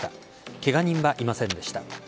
ケガ人はいませんでした。